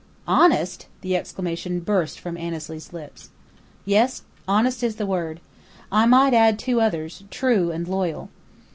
"Honest!" The exclamation burst from Annesley's lips. "Yes. Honest is the word. I might add two others: 'true' and 'loyal.'"